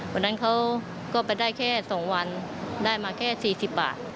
วันนั้นเขาก็ไปได้แค่๒วันได้มาแค่๔๐บาท